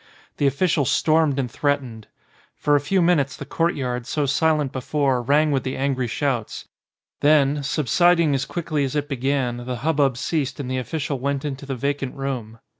The official stormed and threatened. For a few minutes the courtyard, so silent before, rang with the angry shouts; then, subsiding as quickly as it began, the hubbub ceased and the offi cial went into the vacant room.